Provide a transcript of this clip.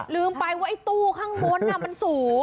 ลืมไปว่าไอ้ตู้ข้างบนมันสูง